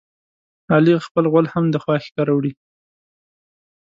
علي خپل غول هم د خواښې کره وړي.